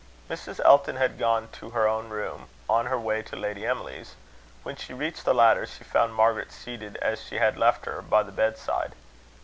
Mrs. Elton had gone to her own room, on her way to Lady Emily's. When she reached the latter, she found Margaret seated as she had left her, by the bedside.